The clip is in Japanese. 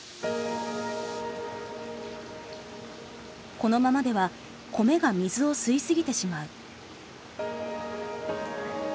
このままでは米が水を吸い過ぎてしまう。